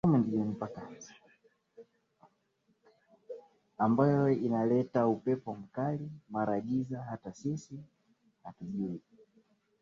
ambayo inaleta upepo mkali mara giza hata sisi hatujuwi